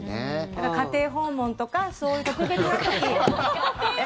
家庭訪問とかそういう特別な時。